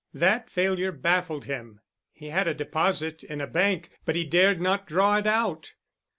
That failure baffled him. He had a deposit in a bank, but he dared not draw it out.